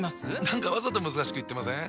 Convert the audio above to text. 何かわざと難しく言ってません？